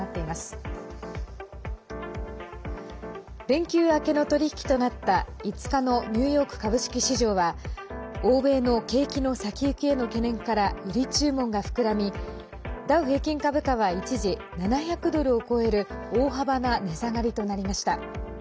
連休明けの取り引きとなった５日のニューヨーク株式市場は欧米の景気の先行きへの懸念から売り注文が膨らみダウ平均株価は一時７００ドルを超える大幅な値下がりとなりました。